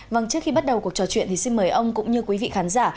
vâng trước khi bắt đầu cuộc trò chuyện thì xin mời ông cũng như quý vị khán giả